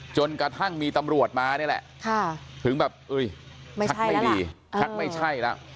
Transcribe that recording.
จนกระทั่งมีตำรวจมาเนี่ยแหละถึงแบบไม่ใช่แล้ว